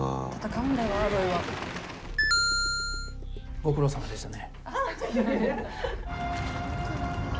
ご苦労さまでしたね。